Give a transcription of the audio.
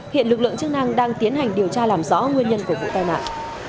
hiện lực lượng chức năng đang tiến hành điều tra làm rõ nguyên nhân của vụ tai nạn